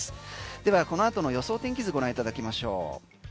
では、この後の予想天気図ご覧いただきましょう。